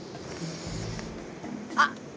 あっ！